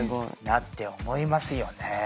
なって思いますよね